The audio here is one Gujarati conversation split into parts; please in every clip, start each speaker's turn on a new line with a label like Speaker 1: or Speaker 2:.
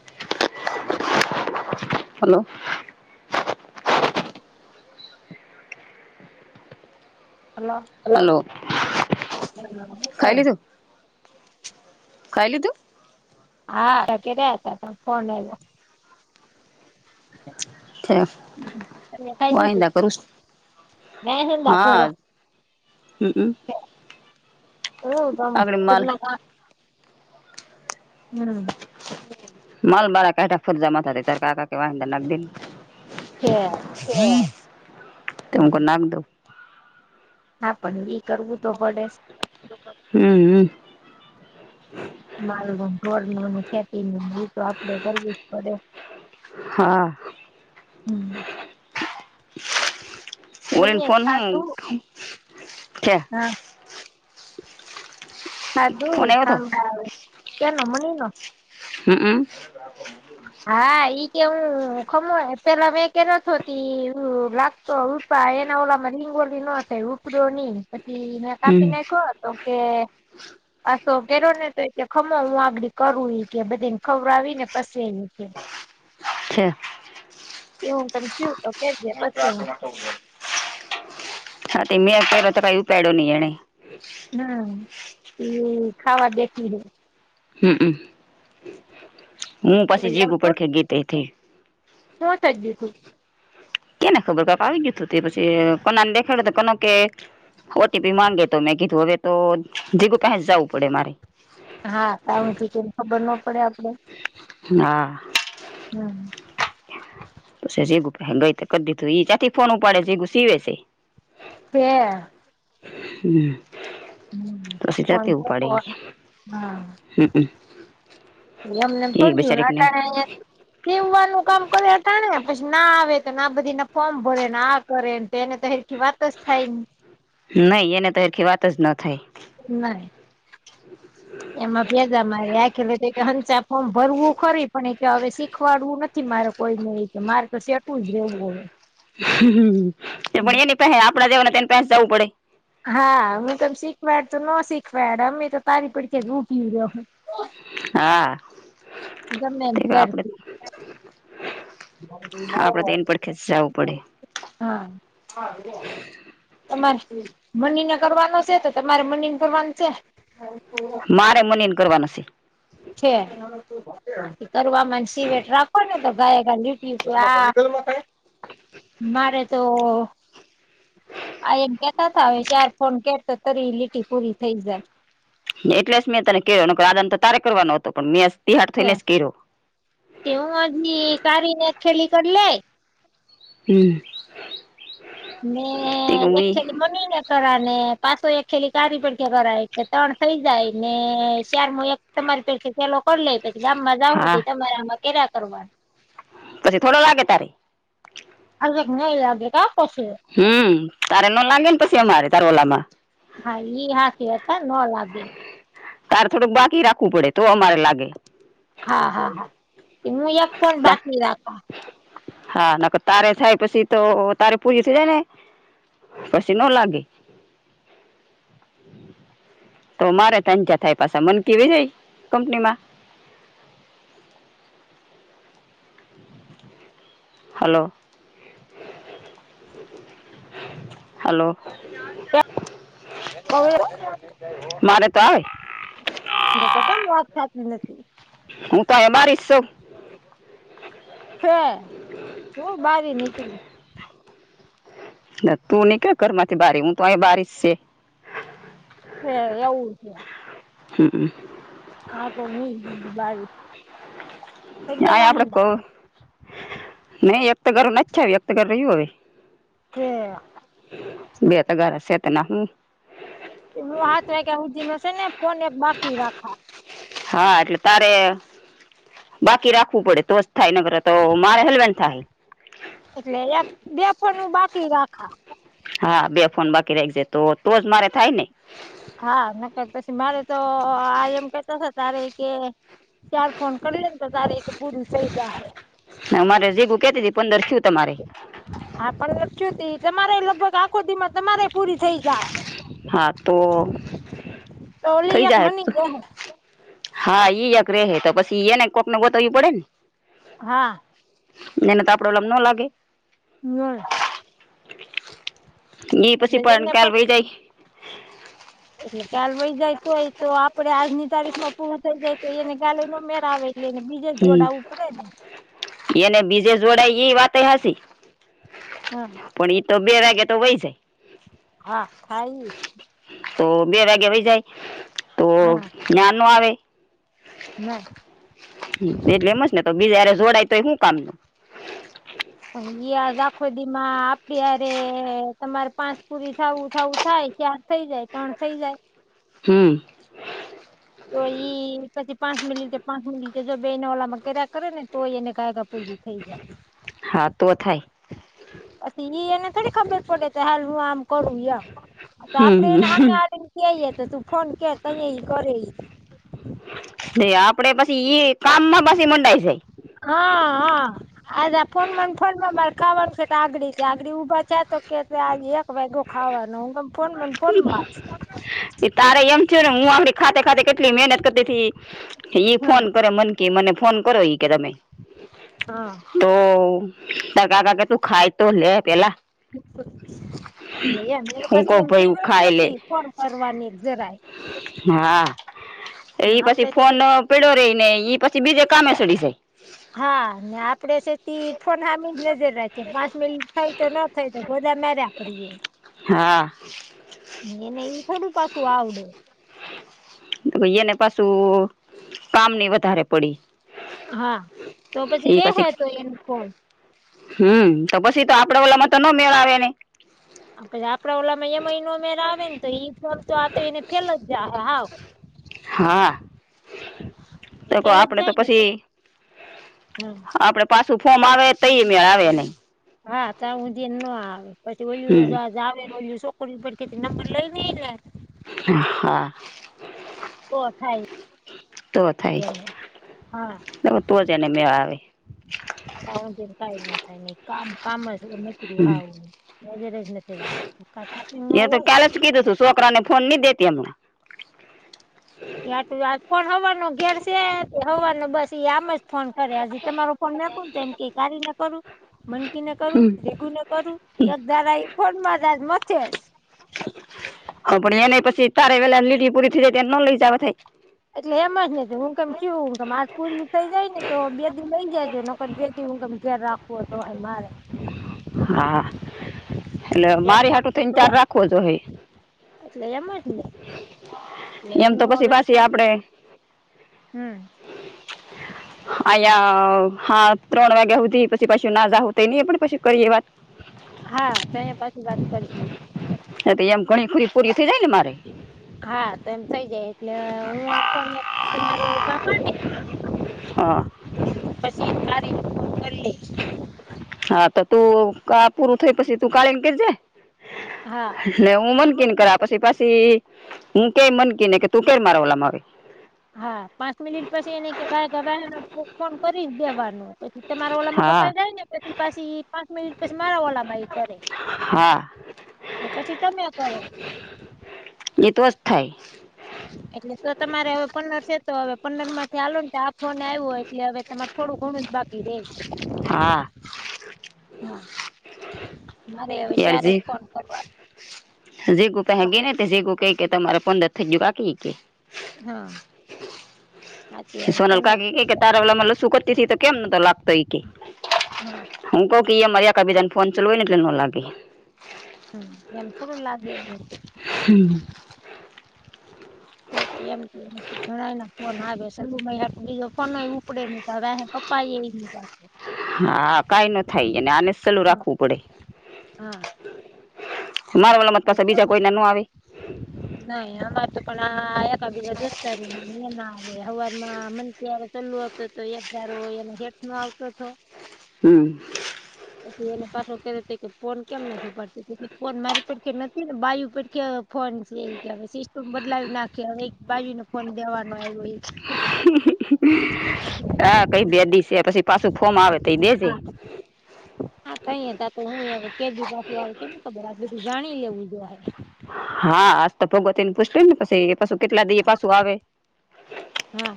Speaker 1: [unintelligible] હલો.
Speaker 2: હલો [unintelligible]
Speaker 1: કાય લ તું.
Speaker 2: હા [unintelligible] તમે ખાઈ લીધું
Speaker 1: વાયંદા કરું
Speaker 2: મેં
Speaker 1: હા. હમ.
Speaker 2: એમ
Speaker 1: આગળ માલ
Speaker 2: [unintelligible] હમ.
Speaker 1: મલ માળા ક ફૂર જમાત થ ચકા કા વા નગદી ની
Speaker 2: હે
Speaker 1: હ ત હું કો નાખ દઉ.
Speaker 2: હા પણ બ કરવું તો પડે છ
Speaker 1: હમ હમ
Speaker 2: માર ઢોળ નું અને ખેતી નું તો આપડે કરવું જ પડે
Speaker 1: હા
Speaker 2: હમ
Speaker 1: ઓવરેન
Speaker 2: એમને
Speaker 1: ફોન હું
Speaker 2: ખાધું
Speaker 1: છે
Speaker 2: હા ખાધું
Speaker 1: ફોન આવ્યો હતો
Speaker 2: ખાંંદડા અવ કેનો મની નો
Speaker 1: હમમ
Speaker 2: હા ઈ કે હું ખમ પેલા મેં કે નતી લ તો ઉપા એના ઓલામાં લીંગોલી ન થઈ ઉપડ ની પછી એને
Speaker 1: હમ
Speaker 2: કાપી નાખ્યો હતો તે અછો કેરો ને તો ખમો હું આગળ કરું ત બધી ને ખવર આવી ને બસ ન કે
Speaker 1: છે
Speaker 2: એવું ત જીવ તો કેજે પછી હું
Speaker 1: હા તે અત્યારે કું પેડો નહી એને
Speaker 2: હા એ ખાવા દેખી હે
Speaker 1: હમમ હું
Speaker 2: તો
Speaker 1: પાછી જગ ઉપડખે ગીતે
Speaker 2: શ શ્યું છું
Speaker 1: કે ને ખબર ક આવી ગયું તું તે પછી કોના ને દેખાડ કોનો કે ઓટીપી માંગે તો મેં કીધું હવે તો જીગું કંસ જવું પડે મારે
Speaker 2: હા ત હજી કે ખબર ન પડે આપડે
Speaker 1: હા
Speaker 2: હમ
Speaker 1: સીું ગઈ તો કરી દીધું ઈ ચંથી ફોન ઉપાડે સગું સીવે છે
Speaker 2: હ
Speaker 1: હ
Speaker 2: હમ
Speaker 1: તોછી જા
Speaker 2: ફોન
Speaker 1: તેવું પડે હ હ
Speaker 2: એ એમને ભ્યું ને અટાણે સીમવાનું કામ કરે અટાણે પછી ના આવે તો ના બધી ના ફોર્મ ભરે ને આ કરે તો એને તો હખી વાત જ થાય ને
Speaker 1: નહી એને તખી વાત જ ન થાય
Speaker 2: ના એમાં ભ્યાજા મારે આખેલો ચા હમ ભરવું ખરી પણ એ હવે શીખવાડવું નથી મારે કોઈને એ કે મારે તો સેટું જ રહેવું હવે
Speaker 1: પણ એની પ આપડા દવાનેને પસ જવું પડે
Speaker 2: હા હું કેમ શીખવાડ તો ન શીખવાડ અમે તો તારી પડકે જ રૂકી રહ્યો
Speaker 1: હા
Speaker 2: ગમે એમ
Speaker 1: તે આપડે
Speaker 2: ત્યારથી
Speaker 1: આપડે તો એની પડખે જ જવું પડે
Speaker 2: હ તમારે મની ને કરવાનું છે તો તમારે મની ને કરવાનું છે
Speaker 1: મારે મનીન કરવાનું છે
Speaker 2: છે કરવામાં સિવેટ રાખો ને તો ગાય ગાય લટ મારે તો આ એમ કેતા ત હવે જાર ફોન કેતો તોરી લીટી પૂરી થઈ જાય
Speaker 1: એટલે જ મેં તને કે્યો આદન તો તારે કરવાનો હતો પણ મેં તિહાાર થઈ ને જ કે્યો
Speaker 2: તેવ આધી કારીને ખેલી કલે
Speaker 1: હમ તે કે
Speaker 2: મેને
Speaker 1: હુંય
Speaker 2: એકલી મ ના કરા ને પાછો એક ખેલી કારી પણ કે કરાય ત્રણ થઈ જાય ને શારમાં એક તમારી પેડથી સેલો કોણ લે પછ આ
Speaker 1: હા
Speaker 2: મજા તમારે આમાં કેલા કરવા
Speaker 1: પછી થોડો લાગે તારે
Speaker 2: આજક નહીં લાગે કા પસે
Speaker 1: હમ્મ તારે ન લાગે ને પછી અમારે તાર ઓલામાં
Speaker 2: હા ઈ હાથી હતા ન લાગે
Speaker 1: તારે થોડુંક બાકી રાખવું પડે તો અમારે લાગે
Speaker 2: હા હા હા હું એક ફોન
Speaker 1: તા
Speaker 2: બાકી રાખા
Speaker 1: હા ના તારે થાય પછી તો તારે પૂરી થઈ જાય ને પછી ણો લાગે તો મારે તંજા થાય પાછ મન કેવી રે કંપની માં હાલો હલોો
Speaker 2: [inaudible]
Speaker 1: મારે તો આવે
Speaker 2: બ તો કેમ વાત થાતી નથી
Speaker 1: હું તો એમારી છુ
Speaker 2: ફે હુ બારી નીકળી
Speaker 1: તું નીકળ ઘર માંથી બારી હું તો અહી બારીશ છે
Speaker 2: હે એવું
Speaker 1: હમ્મ
Speaker 2: હા તો ન [unintelligible] હતા.
Speaker 1: નહી વ્યક્ત કર ના અચ્છા વ્યક્ત કરર રહ્યું હવે
Speaker 2: કે
Speaker 1: બે તગારા છે તો નાખો
Speaker 2: હુ હાથ વાયગા સુધી માં છે ને ફોન એક બાકી રાખવા
Speaker 1: હા એટલે તારે બાકી રાખવું પડે તો જ થાય નગર તો મારે હલવેન થાય
Speaker 2: એટલે એક બેફોન હુ બાકી રાખા
Speaker 1: હા બે ફોન બાકી રાખજે તો તો જ મારે થાય ને
Speaker 2: હા ન ક પછી મારે તો આ એમ કેતા તા છે તારે કે ચાર ફોન કર્યો ને તો તારે એક પુરુષ, [unintelligible]
Speaker 1: હ મારે જીગું કેતી પંદર થીયુ તમારે
Speaker 2: હા પણ લચુ દી તમારે લગભગ આખો દીમા તમારે પૂરી થઈ જાય
Speaker 1: હા તો
Speaker 2: તો
Speaker 1: થઇ
Speaker 2: ઓલી એક
Speaker 1: જા હે
Speaker 2: મની દેહે
Speaker 1: હા ઈ એક રે હે પછી એને કોક ને ગોતાવવી પડે
Speaker 2: હા
Speaker 1: એને તો આપડો ન લાગે
Speaker 2: નહીં
Speaker 1: એ
Speaker 2: એટલે
Speaker 1: પછી પણ
Speaker 2: એને
Speaker 1: કાલ
Speaker 2: પછી
Speaker 1: વહી જાય
Speaker 2: એટલે કાલ વય જાયતો હોય તો આપડે આજની તારીખમાં પુરું થઈ જાય તો એને ગાલે ન મેર આવે એટલેને બીજે જ
Speaker 1: હમ
Speaker 2: જોડાવવું પડે ને
Speaker 1: એને બીજે જોડાય એ વાત ય હાચી
Speaker 2: હા
Speaker 1: પણ ઈ તો બે વાગે તો વય જાય
Speaker 2: હા ખાય
Speaker 1: તો બે વાગે વય જાય તો નીયા નો આવે
Speaker 2: ના
Speaker 1: એટલે એમ જ ને તો બીજ જારે જોડાય તોય શું કામ નુ
Speaker 2: યા દાખોદી માં આપણી હારે તમારે પાંચ પુરી થાવુ થાવુ થાય પણ થઈ જાય તણ થઇ જાય
Speaker 1: હમ.
Speaker 2: તો ઈ પછી પાંચ મિલિટે પાંચ મિલિટે જો બેના ઓલામાં કરા કરે ને તો એને કાયગ પૂજું થઈ જાય.
Speaker 1: હા તો જ નૂ.
Speaker 2: પછી ઈ એને થોડી ખબર પડે હાલ હું આમ કરુંમ. તો આપડે એને હામે
Speaker 1: હમ
Speaker 2: હાલી ને કઈએ તો તું ફોન કર તયે ઈ કરે.
Speaker 1: તયે આપડે પછી ઈ કામ માં પછી મંડાય.
Speaker 2: હા હા. આજ આ ફોન માં ને ફોનમાં મારે ખાવાનું આગડી છે આગડી ઉભા છે તો. કે આજ એક વાાઈ ગો ખાવાનું હું તોમ ફોન માં ફોન માં.
Speaker 1: એ તારે એમ થયું ને હું આમની ખાતે ખાતે કેટલી મહેનત કરતી હતી. ઈ
Speaker 2: હા
Speaker 1: ફોન કરે મનકી મને ફોન કરો ઈ કે તમે.
Speaker 2: હા.
Speaker 1: તો તારા કાકા કે તું ખાય તો લે પેલા.
Speaker 2: લે પાસે એમ. જ
Speaker 1: ખાઈલે.
Speaker 2: નથી ફોન કરવાની.
Speaker 1: હા
Speaker 2: ને
Speaker 1: એવી બધી
Speaker 2: આપડે
Speaker 1: ફોન અપ. પડો રહીને ઈ પછી બીજે કામે સડી જાય.
Speaker 2: હા ને આપડે છેતી ફોન સામે જ નજર રાખીએ પાંચ મિનિટ થઈ તો ન થઈ તો બધા મેર્યા. કરીએ.
Speaker 1: હા,
Speaker 2: એને એ થોડું પાકું આવડે.
Speaker 1: તો એને પાછું કામ નહી વધારે પડી,
Speaker 2: હા તો પછી દેહેજ નહીં ફોન.
Speaker 1: હું તો પછી તો આપડા વાલામાં તો નો મેળ આવેને.
Speaker 2: પછી આપડા ઓલામાં એ મહિનો મેળ આવે નેતો એઈ ફોમ તોઆ તો એને ફેલ જાહે હાવ.
Speaker 1: હા. [inaudible]
Speaker 2: એ
Speaker 1: તો
Speaker 2: ફેલ જ
Speaker 1: આપડે, તો
Speaker 2: જાય ને પ
Speaker 1: પછી
Speaker 2: હા
Speaker 1: આપડે, પાછું ફોર્મ આવે તય મેળ આવેને.
Speaker 2: હા ત્યાં હુંધીને ના આવે
Speaker 1: હમ
Speaker 2: પછી આવેને. ઓની પાસેથી નંબર લ‌ઈ લ‌ઈને.
Speaker 1: હા,
Speaker 2: તો થાય.
Speaker 1: તો થાય
Speaker 2: એને
Speaker 1: એટલે તોજ એને મેળ આવે.
Speaker 2: તો હું જેમ કંઈ ના થાય નહી કામ કામ નકરું
Speaker 1: હમ
Speaker 2: હાવ. બજ રજનતિ દ કહે.
Speaker 1: એતો કાલલે જ કીધું છું, છોકરા ને ફોન નઈ દેતી હમણાં ‌.
Speaker 2: ગયા ત્યારનુ પણ ફોન સવારનો ઘેર છે, સવારનું બસ. આમ જ ફોન કરે હજી તમારો ફોન મેકોને તો એમ ક કારીને કરું, મનકીને કરું
Speaker 1: હમ
Speaker 2: જીગુ ને કરું એક ધારા એ ફોનમાં જ મથે છે.
Speaker 1: હા પણ એને પછી તારે વેલા લીલી પૂરી થઈ જાય તો એને ન લઈ જવા થાય.
Speaker 2: એટલે એમ જ નથી હું, કેમ કે હુંમ આ પૂરી થઈ જાય નેતો બે દિન લઈ જજોને. પણ બેથી હું ગમે ઘેર રાખું હતો, એ મારે.
Speaker 1: હા, એટલે
Speaker 2: એક
Speaker 1: મારી
Speaker 2: ફોન
Speaker 1: હાટું
Speaker 2: તો
Speaker 1: થઈને તારી
Speaker 2: ભરાય
Speaker 1: રાખવો જોહે.
Speaker 2: એટલે એમ જ ને એટલે
Speaker 1: એમ
Speaker 2: હું
Speaker 1: તો પછી પાછી આપડે,
Speaker 2: હું.
Speaker 1: હ [inaudible] અયા હા ત્રણ વાગ્યા હોતી પછી પાછી ના જાહુ તો નહી એ પણ પછી. કરીએ વાત,
Speaker 2: હા તોયા પછી વાત કરીશું.
Speaker 1: હ તો એમ ઘણી ખુરી‌, પૂરીયુ થઇ જાયને. મારે,
Speaker 2: હા તો એમ થઇ જાય એટલે, હું ફોનને મારૂં કામ ને પતી ગયું.
Speaker 1: હા.
Speaker 2: પછી તારી રુટ કરીલે.
Speaker 1: હા તોતું પૂરું થઈ પછી તું કાળીંને કેજે.
Speaker 2: હા
Speaker 1: એટલે હું મનકી ને કર્યા પછી પછી. હું કંય મનકી નેકે તું કેય ઓલામાં આવે.
Speaker 2: હા પાંચ મિનિટ પછી એને કંઈ ગાય ગબા. ફોન કરી દેવાનું પછી તમારા ઓલામાં
Speaker 1: હા
Speaker 2: કપાઈ જાય ને પછી પાછી, પાંચ મિનિટ પછી મારા વલાબાઈ કરે‌ને
Speaker 1: હા
Speaker 2: પછી તમે કરો,
Speaker 1: એ તો જ થાય
Speaker 2: એટલે તો તમારે હવે પંદર છે તો હવે પંદર માંથી આલો ને ફોન આવ્યો હોય એટલે હવે તમારે થોડું ઘણું જ બાકી દે
Speaker 1: હા
Speaker 2: હા મારે હવે સારે
Speaker 1: યારજી
Speaker 2: જ ફોન કરવાનો
Speaker 1: જે ગુપ હેગ ને તે જેગુ કે કે તમારે પદર [unintelligible] બાકી કે
Speaker 2: હા હા તે હવે
Speaker 1: સોનલ
Speaker 2: પંદર
Speaker 1: કાકી તારા વલામાં લસુ કરતી તો કેમ નતો લાગતો એઈ કે
Speaker 2: હા
Speaker 1: હું કહું મારે કભી [unintelligible] જન ફોન ચને લ લાગે
Speaker 2: હમ એમ થોડું લાગેને કે
Speaker 1: હમ
Speaker 2: તો તો એમ જણાય [unintelligible] ફોન આવે છેેલું બીજો ફોન ઉપડે નહી તો હવે કપાઈ પા
Speaker 1: હા કઈ ન થાય અને આને સલું રાખવું પડે
Speaker 2: હા
Speaker 1: મારા વાળ મત પાછ બીજા કોઈના ન આવે
Speaker 2: નહી અમારે તો પણ આ એક બીજા દોસ્તારૂ ના ના આવે હવારમાં મ ત [unintelligible] ચલુ હત તો એકજારો એ ગેટ નો આવતો હતો
Speaker 1: હમ
Speaker 2: પછી એને પાછો કે ત કે ફોન કેમ નથી પડતી ફોન મારી પડ નથી ને બાયુ પેટ કે ફોન છે કે સિસ્ટમ બદલાવી નાખી હવે બાજુ ને ફન દેવાનો આવ્યો એ
Speaker 1: હા કઈ બેદી છે પછી પાછું ફોર્મ આવે તો એ દેજે
Speaker 2: હા હા કઈ હતા તો હું કે પાછુ આવે કે ન ખબર આજ બધી જાણી લેવું જોઈ હે
Speaker 1: હા આજ તો ભોગવતીને પૂછ્યુંને પછી પાછું કેટલા દિવ પાછું આવે
Speaker 2: હા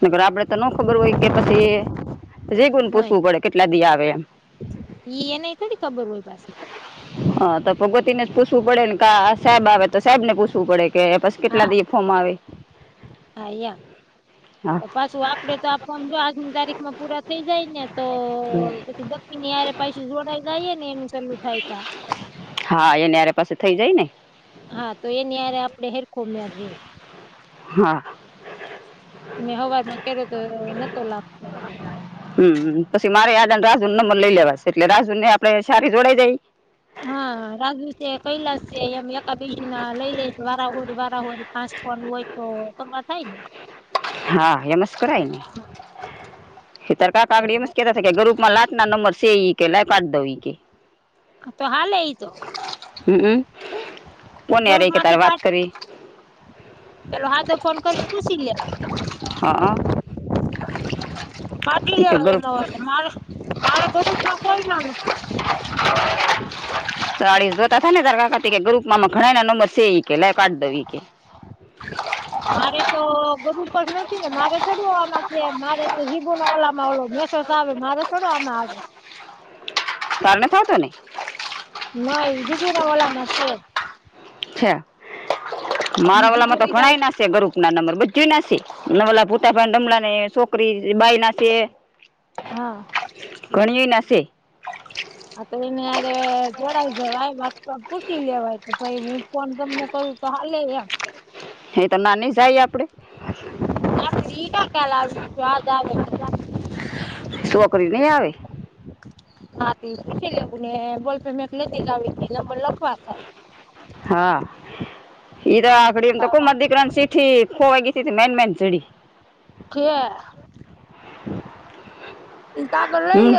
Speaker 1: મર [unintelligible] આપડે તો ન ખબર હોય કે પછી જીગુ ન પૂછવું પડે કેટલા દિ આવે એમ
Speaker 2: એઈ એને થડી ખબર હોય પાસે
Speaker 1: હા તો ભગવતીને જ પૂછવું પડે ને કે સાહેબ આવે તો સાહેબને પૂછવું પડે કે પી કેટલા દીફોમાં આવે
Speaker 2: આયા
Speaker 1: હા
Speaker 2: પાછું આપડે તો આ ફોર્મ જો આજની તારીખમાં પૂરા થઈ જાય ને તો દી ને યાર પૈસું જોડાઈ જાય ને એનું સલું થાય તા
Speaker 1: હા એનેરે પાસે થઇ જાય ને
Speaker 2: હા તો એની હરે આપડે હેરખો મેળ રેય
Speaker 1: હા
Speaker 2: મેં હવારમાં કર્યો તો નતો લાગતો એ
Speaker 1: હમ પછી મારે આજને રાજુ નંબર લઈ લેવાશે એટલે રાજુ ને આપડે સારી જોડાઈ જાય
Speaker 2: હા રાજુ છે કૈલાસ છે એમ એકાબીજ ના લઈ લે છે વારાહોરી વારાહોરી પાસ્ હોય તો તમામાં થાય ને
Speaker 1: હા એમ જ કરાય ને એતર ક કાગડીમસ્કે ગ્રુપમાં લાત ના નંબર સે ઈ કે લ પાડી દ ઈ કે [unintelligible]
Speaker 2: તો હા એઈ તો
Speaker 1: હમમ કોનેય ર કે તારે વાત કરી
Speaker 2: ચલો હા તો ફોન કર પૂછી લેવા
Speaker 1: હા હ
Speaker 2: પાટી જવાય એનો વર્ષમા મારે ભરું હોય ના
Speaker 1: [inaudible] ચળીસ જોતા થ ને તાર કાકા કે ગ્રુપ માં ઘણા ના નંબર સે કે લ કાઢ દઉં કે
Speaker 2: મારે તો ગરું પણ નથી ને મારે ગમાં છે મારે તો હીબો ના ઓલામાં ઓલો મેસસ આવે મારે થોડો આમાં આવે?
Speaker 1: [unintelligible] નહીં,
Speaker 2: ના ઈદી પુરા ગલા લાશે
Speaker 1: છે
Speaker 2: હું
Speaker 1: મારા વાલામાં
Speaker 2: જીગુને
Speaker 1: તો
Speaker 2: કાલ
Speaker 1: ગણાય ના ગરુપ ના નંબર બજવી નાશે નમલા પોતા પણ ડમલાંને ને છોકરી બાાય ના છે.
Speaker 2: હા.
Speaker 1: ઘણી નાશે?
Speaker 2: આ તો એનેયારે જોડાાય જો આઈ વાત પૂી લેવાય તો ભાઈ હું ફન તમને કહું તો હાલે એમ
Speaker 1: એ તો નાની જાય આપડે.
Speaker 2: આપ [unintelligible] સ્વાદ આવે,
Speaker 1: શોકરી નઈ આવેવે?
Speaker 2: હાી લેવું ને બોલપે મેંક નથી લાવીનાંબર લખવા થાય.
Speaker 1: હા ઈ તો આખડી એમ તો
Speaker 2: કાકા
Speaker 1: ખ દીકરા સીઠી ખોવા ગી મેન મેન ચડી.
Speaker 2: છે એ કાગળ લઈ
Speaker 1: હમ
Speaker 2: લે